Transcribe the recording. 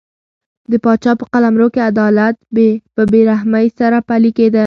د پاچا په قلمرو کې عدالت په بې رحمۍ سره پلی کېده.